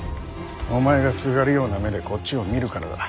お前がすがるような目でこっちを見るからだ。